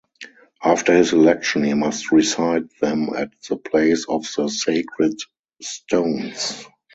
After his election he must recite them at the place of the sacred stones.